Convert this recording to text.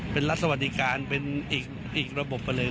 เป็นรัฐสวัสดิการเป็นอีกระบบกันเลย